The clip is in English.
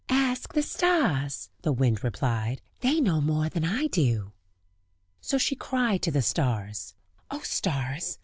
"Ask the stars," the wind replied; "they know more than I do." So she cried to the stars: "O stars!